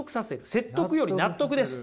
説得より納得です。